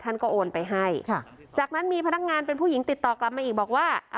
ท่านก็โอนไปให้ค่ะจากนั้นมีพนักงานเป็นผู้หญิงติดต่อกลับมาอีกบอกว่า